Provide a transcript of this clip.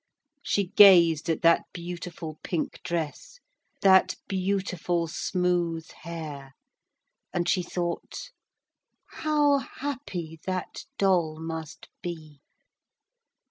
She gazed at that beautiful pink dress, that beautiful smooth hair, and she thought, "How happy that doll must be!"